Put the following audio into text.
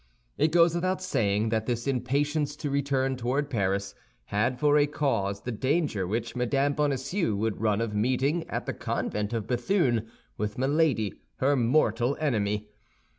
It goes without saying that this impatience to return toward Paris had for a cause the danger which Mme. Bonacieux would run of meeting at the convent of Béthune with Milady, her mortal enemy.